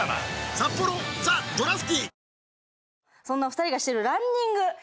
そんな２人がしてるランニング。